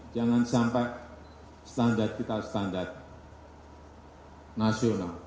jangan sampai standar kita standar nasional